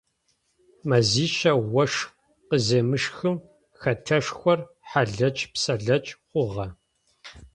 Мэзищэ ощх къыземыщхым хэтэшхор хьалэч-псэлэч хъугъэ.